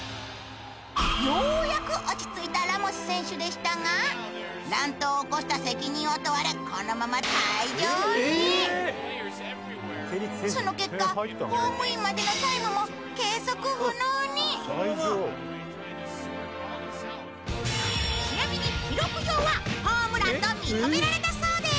ようやく落ち着いたラモス選手でしたが乱闘を起こした責任を問われこのまま退場にその結果ホームインまでのタイムも計測不能にちなみに記録上はホームランと認められたそうです